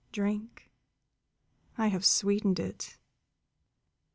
"Drink. I have sweetened it."